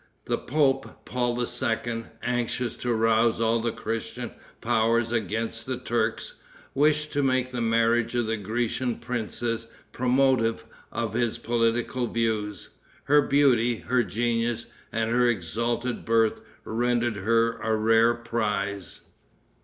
The pope, Paul II., anxious to rouse all the Christian powers against the Turks, wished to make the marriage of the Grecian princess promotive of his political views. Her beauty, her genius and her exalted birth rendered her a rare prize.